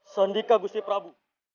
sandika gusti prabu